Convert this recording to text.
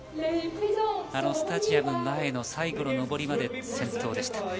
スタジアム前の最後の上りまで先頭でした。